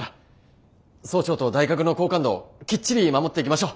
総長と大学の好感度きっちり守っていきましょう！